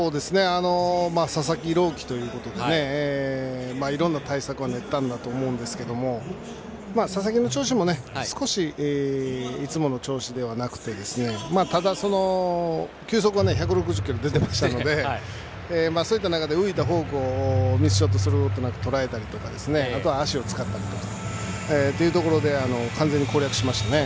佐々木朗希ということでいろんな対策を練ったんだと思いますが佐々木の調子も少しいつもの調子ではなくてただ、球速は１６０キロ出ていましたのでそういった中で浮いたフォークをミスショットすることなくとらえたりとかあとは足を使ったりというところで完全に攻略しましたね。